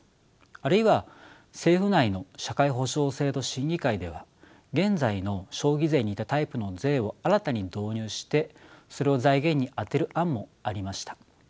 あるいは政府内の社会保障制度審議会では現在の消費税に似たタイプの税を新たに導入してそれを財源に充てる案もありました。